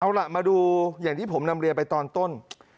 เอาล่ะมาดูอย่างที่ผมนำเรียนไปตอนต้น